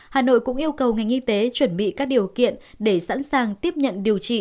hà nội cũng yêu cầu ngành y tế chuẩn bị các điều kiện để sẵn sàng tiếp nhận điều trị